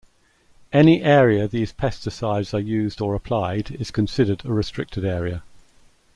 Any area these pesticides are used or applied is considered a restricted area.